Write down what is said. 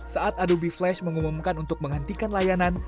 saat adubee flash mengumumkan untuk menghentikan layanan